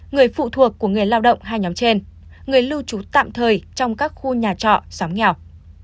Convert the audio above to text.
người phụ thuộc của người lao động hai nhóm trên người lưu trú tạm thời trong các khu nhà trọ xóm nghèo